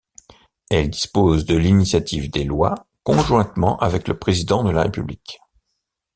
Elle dispose de l'initiative des lois, conjointement avec le président de la République.